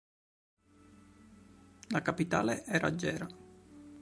La capitale era Gera.